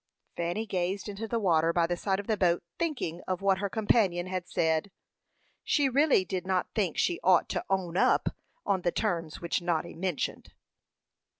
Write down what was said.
Fanny gazed into the water by the side of the boat, thinking of what her companion had said. She really did not think she ought to "own up," on the terms which Noddy mentioned.